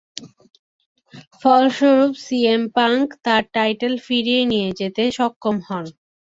ফলস্বরূপ CM Punk তার title ফিরিয়ে নিয়ে যেতে সক্ষম হন।